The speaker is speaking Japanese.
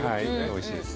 おいしいです。